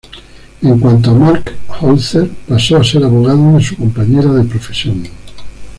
En cuanto a Mark Holzer, pasó a ser abogado de su compañera de profesión.